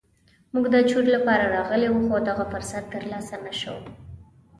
موږ د چور لپاره راغلي وو خو دغه فرصت تر لاسه نه شو.